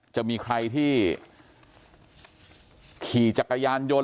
จะมีใครที่ขี่จักรยานยนต์